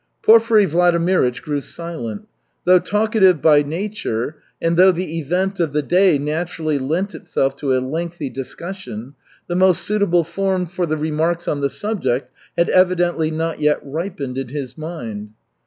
Porfiry Vladimirych grew silent. Though talkative by nature and though the event of the day naturally lent itself to a lengthy discussion, the most suitable form for the remarks on the subject had evidently not yet ripened in his mind.